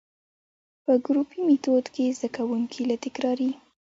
په ګروپي ميتود کي زده کوونکي له تکراري،